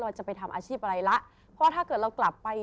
เราจะไปทำอาชีพอะไรละเพราะถ้าเกิดเรากลับไป